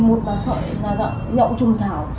một là sợi là nhậu trùng thảo